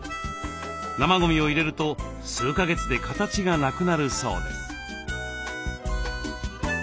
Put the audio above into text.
生ゴミを入れると数か月で形がなくなるそうです。